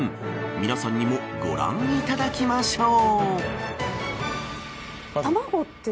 皆さまにもご覧いただきましょう。